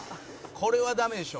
これはダメでしょ」